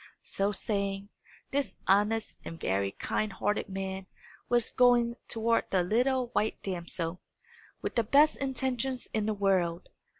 So saying, this honest and very kind hearted man was going toward the little white damsel, with the best intentions in the world.